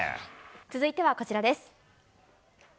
続いてはこちらです。